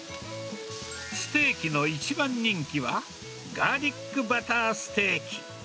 ステーキの一番人気は、ガーリックバターステーキ。